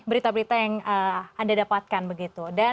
berita berita yang anda dapatkan begitu